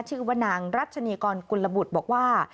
ชื่อว่านางรัชนีกรกุลบุตรบอกว่า